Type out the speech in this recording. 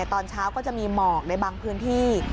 ตอนเช้าก็จะมีหมอกในบางพื้นที่